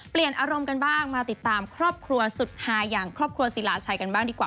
เปลี่ยนอารมณ์กันบ้างมาติดตามครอบครัวสุดฮาอย่างครอบครัวศิลาชัยกันบ้างดีกว่า